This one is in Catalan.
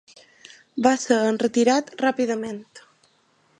Va ser enretirat ràpidament.